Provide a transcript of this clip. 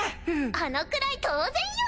あのくらい当然よ！